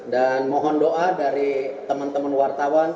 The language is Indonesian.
dan mohon doa dari teman teman wartawan